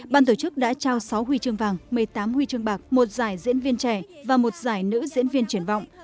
ban tổ chức đã trao sáu huy chương vàng một mươi tám huy chương bạc một giải diễn viên trẻ và một giải nữ diễn viên triển vọng